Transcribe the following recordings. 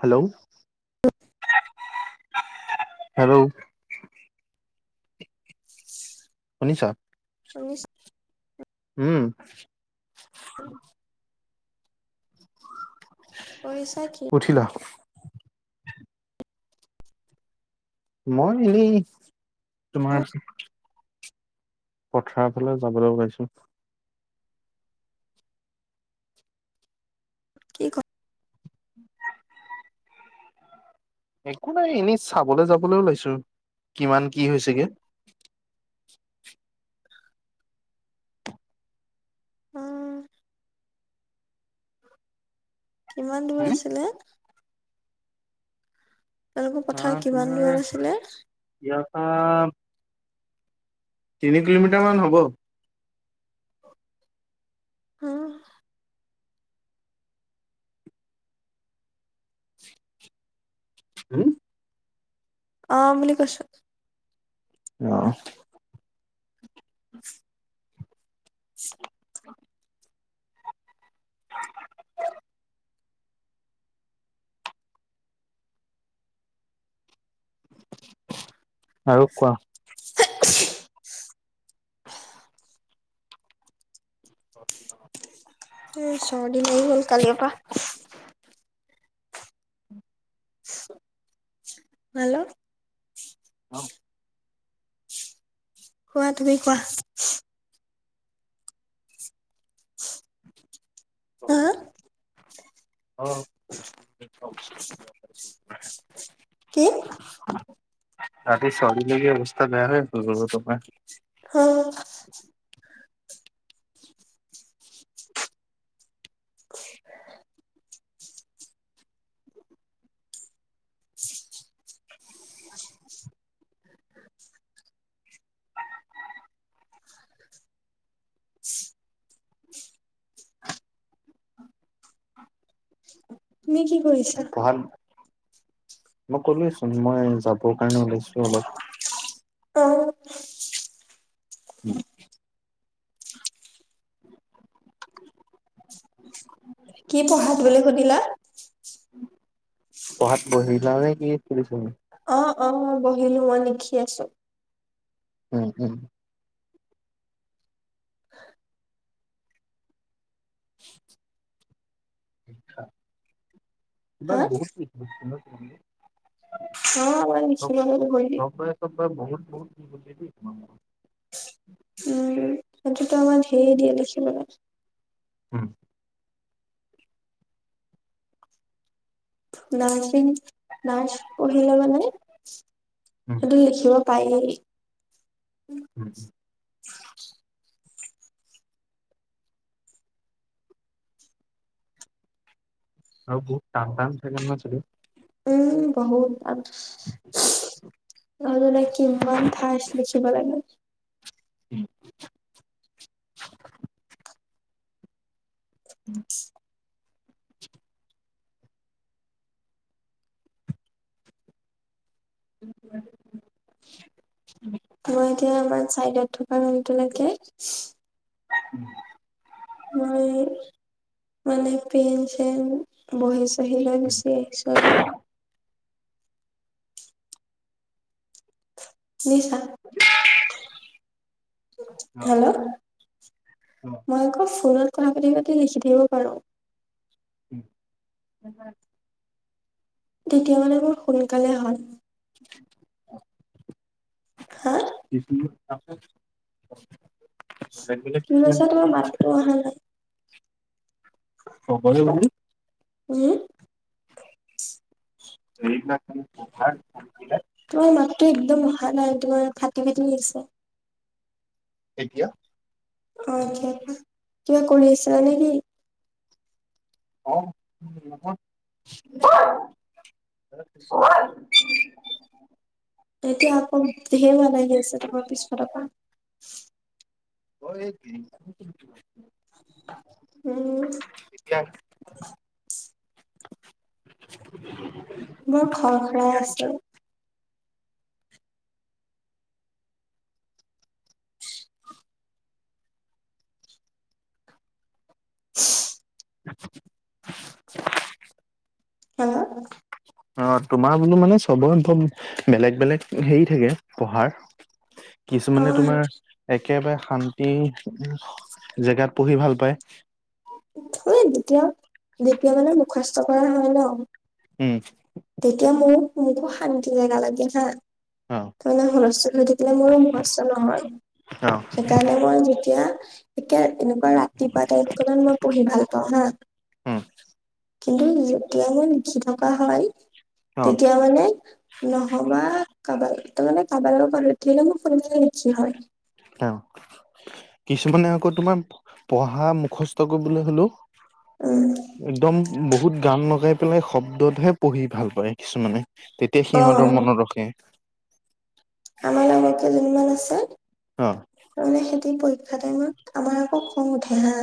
Hello [unintelligible] hello শুনিছা শুনিছো উম কৰিছা কি উঠিলা মই এই উম, তোমাৰ পথাৰ ফালে যাবলৈ ওলাইছো কি ক উম একো নাই এনেই চাবলৈ যাবলৈ ও লাইছো কিমান কি হৈছেগে অ অ কিমান দূৰ হম আছিলে তেওঁলোকৰ অ পথাৰ কিমান তোমাৰ দূৰত আছিলে ইয়াৰ পা তিনি কিলোমিটাৰ মান হব অহ হো অহ বুলি কৈছো। অহ। [unintelligible] আৰু কোৱা? [unintelligible] এ ছৰ্দি লাগি গল কলীয়াপা। হেল্ল' অহ কোৱা তুমি কোৱা? [unintelligible] হা হয় দেই। অহ, কি কমছ কি? ৰাতি ছবি লেকে অৱস্থা নাই হয় ফোন কৰিব য ত পা অহ তুমি কি কৰিছা? ভাল, মই কলোৱেচোন মই যাবৰ কাৰণে ওলাইছো অলপ অহ। উম কি পঢ়াত বুলি সুধিলা? পঢ়াত বহিলা নে কি সুধিছোঁ। অ অ বহিলো, মই লিখি আছোঁ। উম উম লিখা, হা ইমান বহুত কি? বিচনাত বহি। অহ লিখি লব লাগিব হী তপৰা বহুত বহুত এইটো খাম। উম সেইটোত মই ধেই ধেই লিখিলো। উম। নাচবিন নাৰ্ছ পঢ়িব নে, উম সেইটো লিখিব পাইলবি [inaudible] আৰু বহুত টান টান। [unintelligible] উম গাহৰি উৎপাত। [unintelligible] কিমান ফাৰচ্ লিখিব লাগে। [unintelligible] [inaudible] [inaudible] মই এতিয়া অনলাইন চাই বেগ থুপাই একেই একেই। উম নাই বে মই মানে প্রেম ছেম বহিগৈছোঁ। আহি লৈ উম গৈছে এক্সট্ৰা বোৰ। বুইছা [unintelligible] অ হেল্ল' অ মই আক ফোনত কথা পাতি পাতি লিখি থাকিব পাৰো। উম [unintelligible] তেতিয়া মানে মোৰ সোনকালে হয়। হা দিছিলো তাৰপিছত অ [unintelligible] খালোঁ পকৰি মানে হুও হেৰি দিনাখন [unintelligible] তোমাৰ মাততো একদম অহা নাই তোমাৰ ফাটি ফাটি আহিছে। এতিয়া অ এতিয়া কোৱা কিবা কৰি আছিলা নেকি? অ [unintelligible] এতিয়া আকৌ ধেৰ মাত আহি আছে তোমাৰ পিছ ফালৰ পৰা। অ এই [unintelligible] উম। এতিয়া বৰ খৰ খৰাই আছে। [unintelligible] [unintelligible] হেল্ল। অ', তোমাৰ বোলো মানে চবৰ ইনফ্ৰম বেলেগ বেলেগ হেৰি থাকে পঢ়াৰ। অ কিছুমানে তোমাৰ একেবাৰে শান্তি জেগাত পঢ়ি ভাল পায়। এই যেতিয়া যেতিয়া মানে মুখস্ত কৰা হয় ন উম তেতিয়া মো মোকো শান্তি জেগা লাগে হা। অ তেনে হুলস্থূল হৈ থাকিলে মোৰো মূখস্ত নহয় অ সে- ইকাৰণে মই যেতিয়া এতিয়া তেনেকুৱা ৰাতি পুৱা টাইম কনত মই পঢ়ি ভাল পাওঁ হা। উম কিন্তু যেতিয়া মই লিখি থকা হয় অ তেতিয়া মানে নহবা কাবাল ত মানে কাবালগত [unintelligible] সোনকালে লিখি হয়। অ কিছুমানে আকৌ তোমাৰ পঢ়া মুখস্থ কৰিবলৈ হলেও উম একদম বহুত গান লগাই পেলাই শব্দতহে পঢ়ি ভাল পায় কিছুমানে। তেতিয়া অ সিহঁতৰ মনত ৰখে। আমাৰ লগ কেজনীমান আছে অ তাৰমানে সেইতি পৰীক্ষা টাইমত আমাৰ আকৌ খং উঠে হা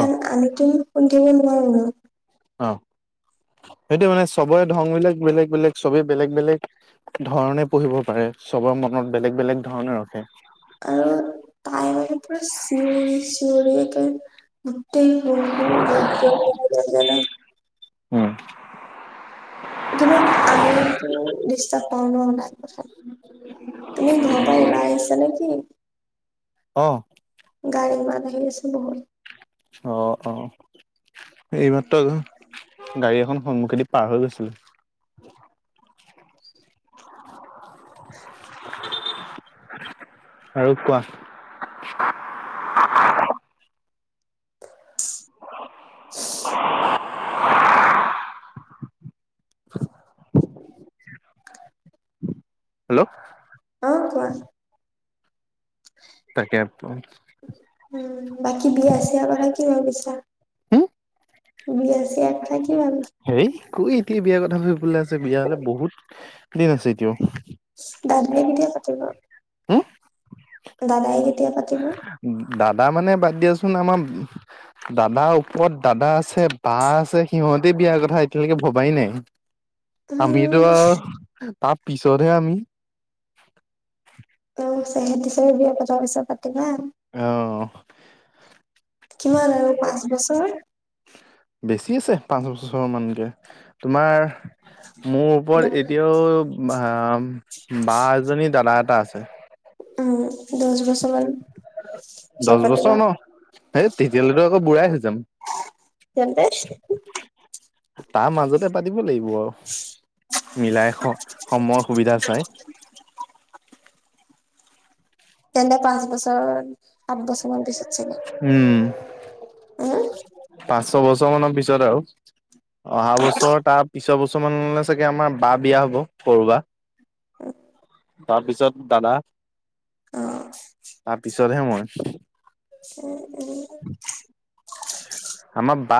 অ আমিতো শুনি থাকিব নোৱাৰিব অ সেইটো মানে চবৰে ধং বিলাক বেলেগ বেলেগ চবেই বেলেগ বেলেগ ধৰণে পঢ়িব পাৰে চবৰ মনত বেলেগ বেলেগ ধৰণে ৰখে আৰু পুৰা চিঞৰি চিঞৰি গোটেই ৰুমটো [unintelligible] উম কিন্তু আমিতো বিশ্বাস কৰো ন তাক তুমি ঘৰৰ পৰা ওলাই আহিছা নে কি অ গাড়ী মাত আহি আছে বহুত অ অ এইমাত্ৰ গাড়ী এখন সন্মুখেদি পাৰ হৈ গৈছিলে আৰু কোৱা হেল্ল' অ কোৱা তাকে উম বাকি বিয়া চিয়া বাৰু কি ভাবিছা হুম বিয়া চিয়া কথা কি ভাবিছা হেই কি এতিয়া বিয়াৰ কথা ভাবিবলৈ আছে বিয়ালে বহুত দিন আছে এতিয়াও দাদুৱে কেতিয়া পাতিব হম দাদাই কেতিয়া পাতিব দাদা মানে বাদ দিয়াচোন আমাৰ দাদাৰ ওপৰত দাদা আছে বা আছে সিহঁতে বিয়াৰ কথা এতিয়ালৈকে ভবাই নাই আমিতো উম আও তাৰ পিছতহে আমি অ সেহঁতি চবে বিয়া পতা পিছত পা তিবা অ কিমান আৰু পাঁচ বছৰ বেছি আছে পাঁচ বছৰ মানতকে তোমাৰ মোৰ দ ওপৰত এতিয়াও আৰু আ বা এজনী দাদা এটা আছে উম দহ বছৰ মান পিছত দহ বছৰ পাতিবা ন সেই তেতিয়ালৈতো আকৌ বুঢ়াই হৈ যাম তেন্তে তাৰ মাজতে পাতিব লাগিব আৰু মিলাই স সময় সুবিধা চাই তেন্তে পাঁচ বছৰ সাত বছৰমান পিছত চাগে উম উম পাঁচ ছ বছৰ মানৰ পিছত আৰু অহা বছৰ তাৰ পিছৰ বছৰ মানলৈ চাগে আমাৰ বা বিয়া হব সৰু বা উ তাৰপিছত দাদা অ তাৰপিছতহে মই উম উম আমাৰ বা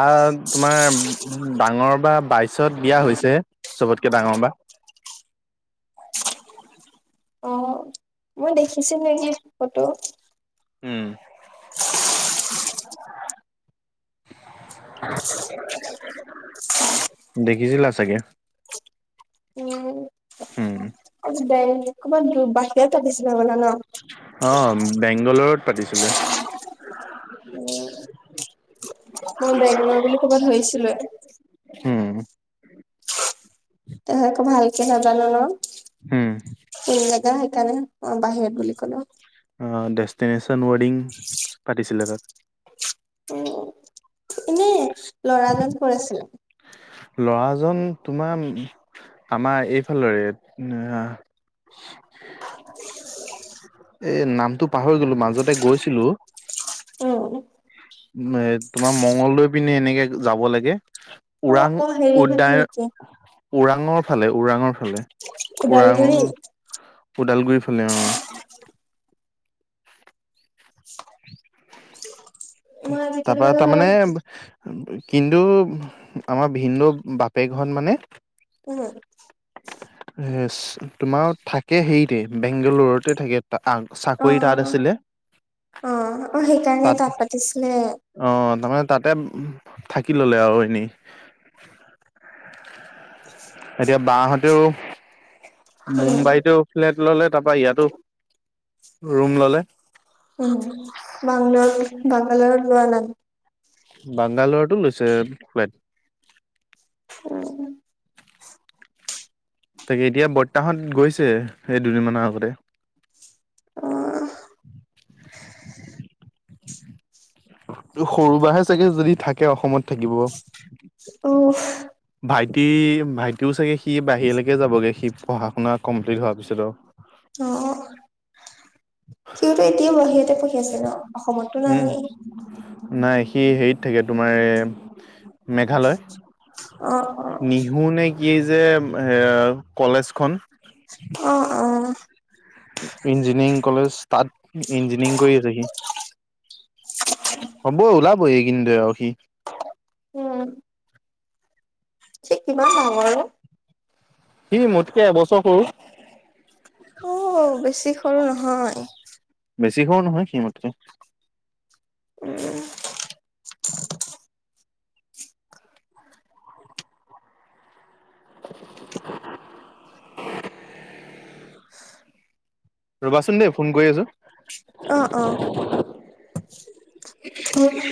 তোমাৰ ডাঙৰ বা বাইচত বিয়া হৈছেহে চবতকে ডাঙৰ বা [unintelligible] অ মই দেখিছি নেকি ফটো উম [unintelligible] দেখিছিলা চাগে উম হুম। অকমান দে কবাত বাহিৰত পাতিছিলে মানা ন অ' বেংগলৰত পাতিছিলে। উম। মই বেংগলৰ বুলি ক'ব ধৰিছিলো এ হুম। তহেকৌ ভালকে নাজানো ন? হম। এই জেগা সেইকাৰণে অ' বাহিৰত বুলি কলে। অঁ, ডেষ্টিনেশ্যন ৱেৰ্ডিং পাতিছিলে তাত। উম এনে ল'ৰাজন কৰ আছিলে? লৰাজন তোমা ম আমাৰ এইফালৰে এ [unintelligible] এ নামটো পাহৰি গলো। মাজতে গৈছিলোঁ। ওম। ও এ তোমাৰ মংগলদৈ পিনে এনেকে যাব লাগে। অ ওৰাং অ হেৰি ফালে উদ্যান। নেকি ওৰাঙৰ ফালে ওৰাঙৰ ফালে ওদালগুৰি ওৰাঙৰ ওদালগুৰিৰ ফালে অঁ। উ [unintelligible] [unintelligible] মই আজিকালি তাৰপা মানে অলপ তাৰমানে। কিন্তু আমাৰ ভিন্দৌ বাপেক ঘৰত মানে উম। হে, তোমাৰ থাকে হেৰিতে বেংগালৰুতে থাকে। অ, অ চাকৰি তাত আছিলে অ অ সেইকাৰণে তাত পাতিছিলে অঁ, তাৰমানে তাতে থাকি ললে আও এনেই। [unintelligible] [unintelligible] এতিয়া বা সঁতেও উম মুম্বাইতো ফ্লেট ল'লে তাৰ পা ইয়াতো ৰুম ললে। উম বাংলৰত বাংগালৰত লোৱা নাই? বাংগালোৰতো লৈছে ফ্লাইট। উম উম। তাকে এতিয়া বৰ্তাসঁত গৈছে এই দুদিনমানৰ আগতে। অঁহ। তো‌ সৰু বা হে চাগে যদি থাকে অসমত থাকিব। অওহ ভাইটি ভাইটিও চাগে সি বাহিৰলেকে যাবগৈ সি পঢ়া শুনা কমপ্লিট হোৱাৰ পিছত ও অঁ, সিয়োত এতিয়াও বাহিৰতে পঢ়ি আছে ন অসমতো উম নায়েই নাই সি হেইত থাকে তোমাৰ মেঘালয়। অঁ। নিহু নে কি যে, হে কলেজখন। অঁ অঁ। ইঞ্জিনিয়াৰিং কলেজ, তাত ইঞ্জিনিয়াৰিং কৰি আছে সি। হ'ব উলাবৈ এই কিদিনতে আৰু সি। উম। সি কিমান ডাঙৰ অ? সি মোতকে এবছৰ সৰু। অঁ' বেছি সৰু নহয়। বেছি সৰু নহয় সি মোতকে। উম', [unintelligible] ৰ'বাচোন দেই, ফোন কৰি আছোঁ? অ', অ'। অ